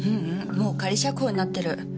もう仮釈放になってる。